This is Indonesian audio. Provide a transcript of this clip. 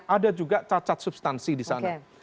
ada juga cacat substansi disana